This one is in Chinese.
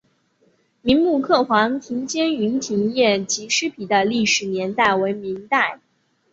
明摹刻黄庭坚云亭宴集诗碑的历史年代为明代。